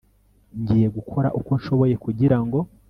ngiye gukora uko nshoboye kugira ngo